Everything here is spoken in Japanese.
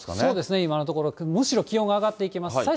そうですね、今のところ、むしろ気温が上がっていきます。